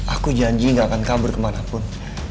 aku janji gak akan kabur kemana pun